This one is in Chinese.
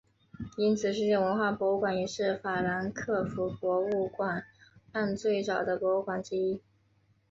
因此世界文化博物馆也是法兰克福博物馆岸最早的博物馆之一。